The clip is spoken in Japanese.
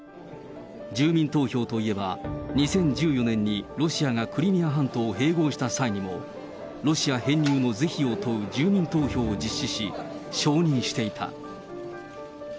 住民投票といえば、２０１４年にロシアがクリミア半島を併合した際にも、ロシア編入の是非を問う住民投票を実施し、承認していた。